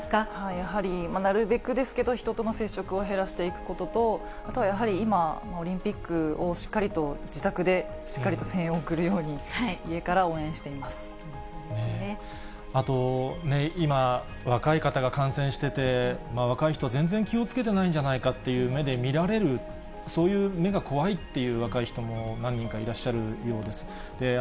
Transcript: やはりなるべくですけど、人との接触を減らしていくことと、あとはやはり今、オリンピックをしっかりと自宅でしっかりと声援を送るように、あと、今、若い方が感染してて、若い人は全然気をつけていないんじゃないかという目で見られる、そういう目が怖いっていう若い人も何人かいらっしゃるようです。